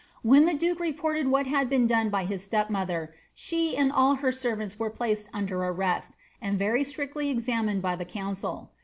When the duke reported wliat had been done by his step mother, siie and all her servants were placed under arrest and very strictly examined by the council.